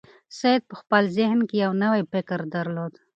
سعید په خپل ذهن کې یو نوی فکر درلود.